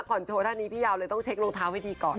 โชว์ท่านนี้พี่ยาวเลยต้องเช็ครองเท้าให้ดีก่อน